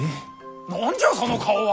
何じゃその顔は！